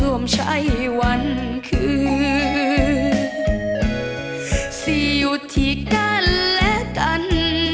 ร่วมใช้วันคืนสี่อยู่ที่กันและกัน